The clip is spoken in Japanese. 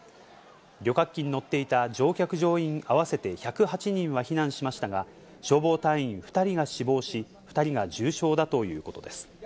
旅客機に乗っていた乗客・乗員合わせて１０８人は避難しましたが、消防隊員２人が死亡し、２人が重傷だということです。